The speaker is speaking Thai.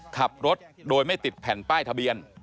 ขับรถโดยไม่ติดแผ่นป้ายทะเบียน